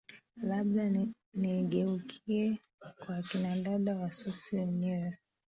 labda nigeukie kwa akina dada wasusi wenyewe